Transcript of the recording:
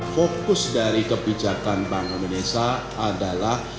fokus dari kebijakan bank indonesia adalah